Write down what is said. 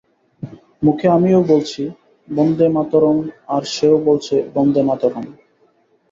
মুখে আমিও বলছি বন্দেমাতরং, আর সেও বলছে বন্দেমাতরং।